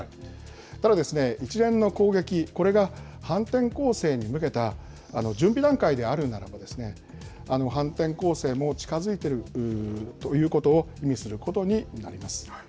ただですね、一連の攻撃、反転攻勢に向けた準備段階であるならば、反転攻勢も近づいてるということを意味することになります。